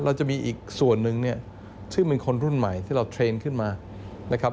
เราจะมีอีกส่วนหนึ่งเนี่ยซึ่งเป็นคนรุ่นใหม่ที่เราเทรนด์ขึ้นมานะครับ